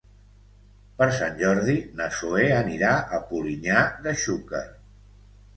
Per Sant Jordi na Zoè anirà a Polinyà de Xúquer.